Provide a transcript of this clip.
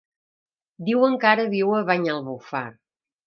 Diuen que ara viu a Banyalbufar.